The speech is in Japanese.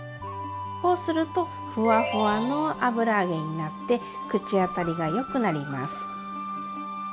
こうするとふわふわの油揚げになって口当たりがよくなります。